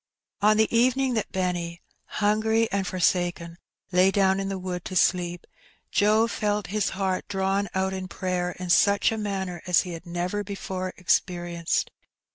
On the evening that Benny, hungry and forsaken, lay down in the wood to sleep, Joe felt his heart drawn out in prayer in such a manner as he had never before experienced.